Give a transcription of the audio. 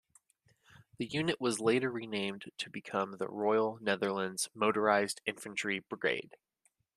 The unit was later renamed to become the Royal Netherlands Motorized Infantry Brigade.